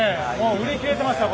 売り切れてました。